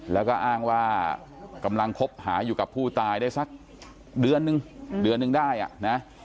แล้วก็อ้างว่ากำลังคบหาอยู่กับผู้ตายได้สักเดือนนึงเดือนหนึ่งได้อ่ะนะ